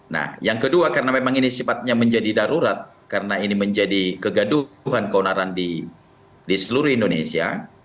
nah yang kedua karena memang ini sifatnya menjadi darurat karena ini menjadi kegaduhan keonaran di seluruh indonesia